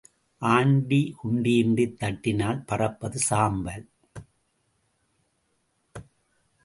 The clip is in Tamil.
ஆண்டி குண்டியைத் தட்டினால் பறப்பது சாம்பல்.